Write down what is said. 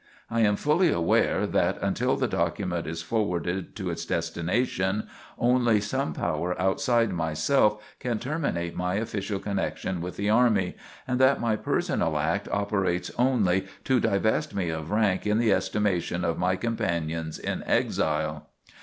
I am fully aware that, until the document is forwarded to its destination, only some power outside myself can terminate my official connection with the army, and that my personal act operates only to divest me of rank in the estimation of my companions in exile.